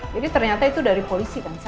jadi ternyata itu dari polisi kan